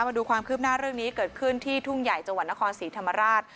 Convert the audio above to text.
มาดูความคืบหน้าเรื่องนี้เกิดขึ้นที่ทุ่งใหญ่จังหวัดนครศรีธรรมราช